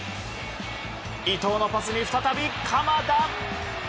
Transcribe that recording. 伊東のパスに再び鎌田。